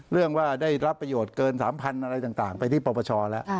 เรื่องว่าได้รับประโยชน์เกิน๓๐๐๐อะไรต่างไปที่ปปชแล้ว